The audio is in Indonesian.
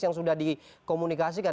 yang sudah dikomunikasikan